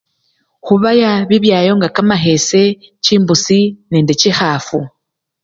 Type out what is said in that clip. Khubaya bibyayo nga kamakhese chimbusi nende chikhafu.